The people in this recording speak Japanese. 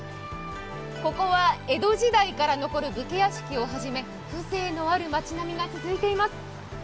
ここは江戸時代から残る武家屋敷をはじめ、風情のある町並みが続いています。